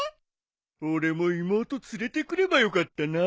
俺も妹連れてくればよかったな。